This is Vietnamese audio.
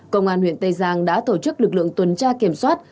công an huyện tây giang đã tổ chức lực lượng tuần tra kiểm soát